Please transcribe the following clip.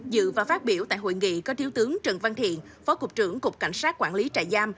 dự và phát biểu tại hội nghị có thiếu tướng trần văn thiện phó cục trưởng cục cảnh sát quản lý trại giam